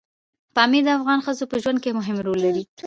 پامیر د افغان ښځو په ژوند کې هم رول لري.